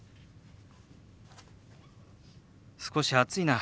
少し暑いな。